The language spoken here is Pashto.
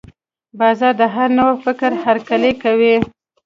بازار د هر نوي فکر هرکلی کوي.